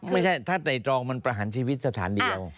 ไม่ใช่ถ้าไต่ตรองมันประหารชีวิตสถานเดียว